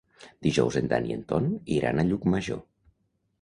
Dijous en Dan i en Ton iran a Llucmajor.